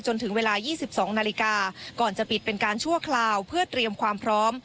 จนถึงเวลา๒๒นาฬิกาก่อนจะปิดเป็นการชั่วคราวเพื่อเตรียมความพร้อม